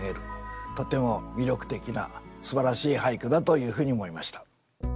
とても魅力的なすばらしい俳句だというふうに思いました。